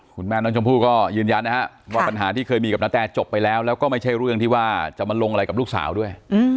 คุณแม่น้องชมพู่ก็ยืนยันนะฮะว่าปัญหาที่เคยมีกับณแตจบไปแล้วแล้วก็ไม่ใช่เรื่องที่ว่าจะมาลงอะไรกับลูกสาวด้วย